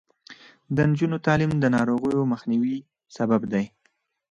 د نجونو تعلیم د ناروغیو مخنیوي سبب دی.